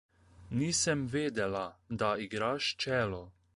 Nisem vedela, da igraš čelo.